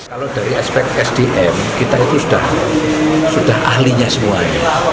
kalau dari aspek sdm kita itu sudah ahlinya semuanya